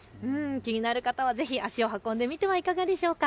気になる方はぜひ足を運んでみてはいかがでしょうか。